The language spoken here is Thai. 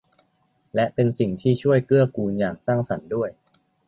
และเป็นสิ่งที่ช่วยเกื้อกูลอย่างสร้างสรรค์ด้วย